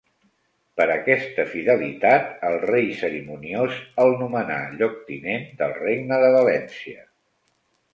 Per aquesta fidelitat el rei Cerimoniós el nomenà lloctinent del Regne de València.